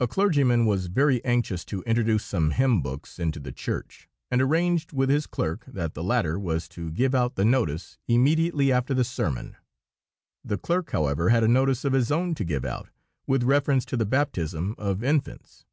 _A clergyman was very anxious to introduce some hymn books into the church, and arranged with his clerk that the latter was to give out the notice immediately after the sermon. The clerk, however, had a notice of his own to give out with reference to the baptism of infants.